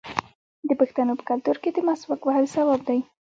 د پښتنو په کلتور کې د مسواک وهل ثواب دی.